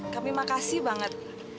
kami makasih banget